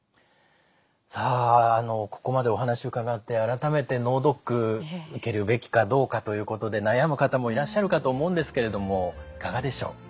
さあここまでお話伺って改めて脳ドック受けるべきかどうかということで悩む方もいらっしゃるかと思うんですけれどもいかがでしょう？